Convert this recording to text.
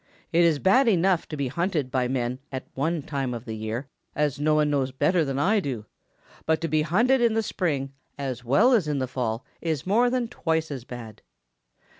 It is bad enough to be hunted by men at one time of the year, as no one knows better than I do, but to be hunted in the spring as well as in the fall is more than twice as bad.